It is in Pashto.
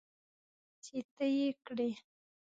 چې ته یې کرې .